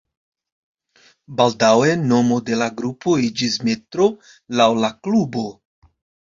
Baldaŭe nomo de la grupo iĝis Metro laŭ la klubo.